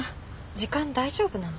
時間大丈夫なの？